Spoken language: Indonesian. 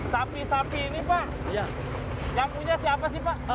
sapi sapi ini pak yang punya siapa sih pak